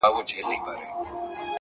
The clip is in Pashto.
څه وکړمه لاس کي مي هيڅ څه نه وي!